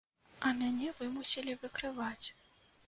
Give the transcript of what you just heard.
А мяне вымусілі выкрываць.